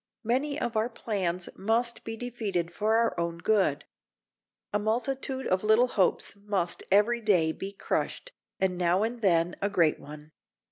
Many of our plans must be defeated for our own good. A multitude of little hopes must every day be crushed, and now and then a great one.